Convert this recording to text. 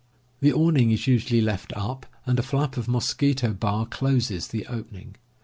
The awning is usually left up, and a flap of mosquito bar closes the opening.